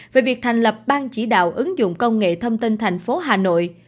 về việc thành lập ban chỉ đạo ứng dụng công nghệ thông tin thành phố hà nội